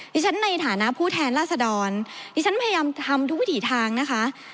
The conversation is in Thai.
ดิฉันในฐานะผู้แทนราษดรดิฉันพยายามทำทุกวิถีทางนะคะ